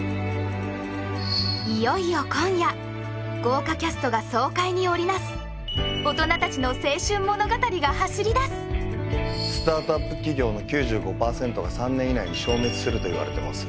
いよいよ今夜豪華キャストが爽快に織り成す大人達の青春物語が走り出すスタートアップ企業の９５％が３年以内に消滅するといわれてます